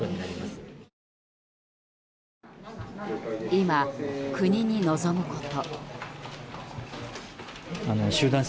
今、国に望むこと。